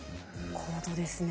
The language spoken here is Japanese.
高度ですね。